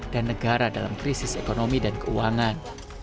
dan negara dalam krisis ekonomi dan keuangan